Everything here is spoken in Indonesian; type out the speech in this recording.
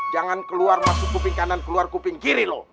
jangan keluar masuk kuping kanan keluar kuping kiri loh